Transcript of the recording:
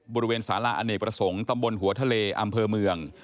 บริเวณสาระอเนกประสงค์ตำบลหัวทะเลอำเภอเมือง